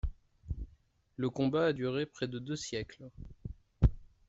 Le combat a duré près de deux siècles.